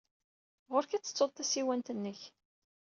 Ɣur-k ad tettuḍ tasiwant-nnek.